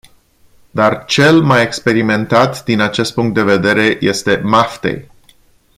Dar cel mai experimentat din acest punct de vedere este maftei.